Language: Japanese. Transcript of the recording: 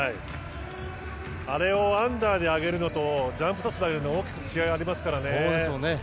あれをアンダーで上げるのとジャンプトスで上げるのは大きく違いがありますからね。